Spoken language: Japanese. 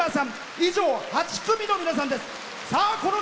以上、８組の皆さんです。